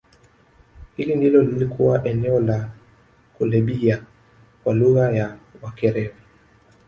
Hili ndilo lilikuwa eneo la Kulebhiya kwa lugha ya Wakerewe